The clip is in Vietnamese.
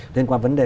liên quan vấn đề